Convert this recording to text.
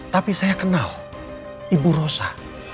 tapi saya kenal ibu rosa